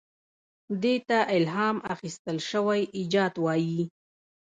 دې ته الهام اخیستل شوی ایجاد وایي.